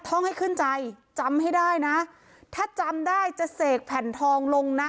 ท่องให้ขึ้นใจจำให้ได้นะถ้าจำได้จะเสกแผ่นทองลงนะ